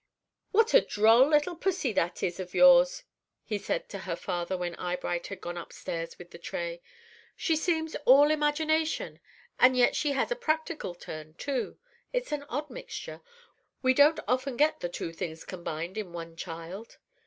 "What a droll little pussy that is of yours!" he said to her father, when Eyebright had gone upstairs with the tray. "She seems all imagination, and yet she has a practical turn, too. It's an odd mixture. We don't often get the two things combined in one child."